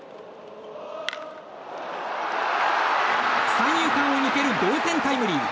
三遊間を抜ける同点タイムリー。